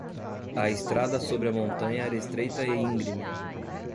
A estrada sobre a montanha era estreita e íngreme.